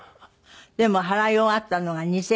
でも払い終わったのが２０２０年。